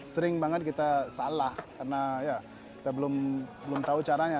sering banget kita salah karena ya kita belum tahu caranya